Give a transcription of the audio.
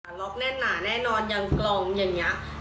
ล็อกแน่นหนาแน่นอนยังกลองอย่างนี้